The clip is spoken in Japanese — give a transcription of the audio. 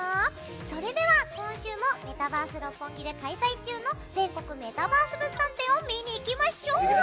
それでは今週もメタバース六本木で開催中の「全国メタバース物産展」を見に行きましょう！